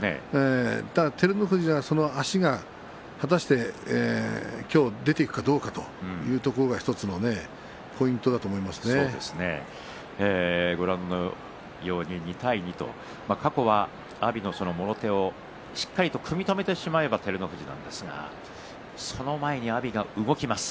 照ノ富士は足が果たして今日、出ていくかどうかというところが１つのご覧のように２対２と過去は阿炎のもろ手をしっかりと組み止めてしまえば照ノ富士なんですがその前に阿炎の動きがあります。